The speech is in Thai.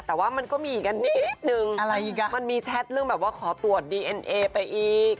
แต่ว่ามันก็มีอีกกันนิดนึงมันมีแชทเรื่องแบบว่าขอตรวจดีเอ็นเอไปอีก